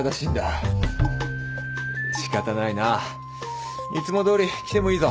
仕方ないないつもどおり来てもいいぞ。